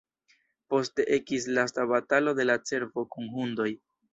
Poste ekis lasta batalo de la cervo kun hundoj.